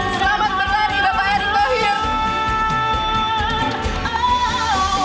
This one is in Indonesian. selamat berlari bapak erick thohir